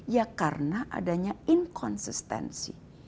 ya karena adanya inconsistensi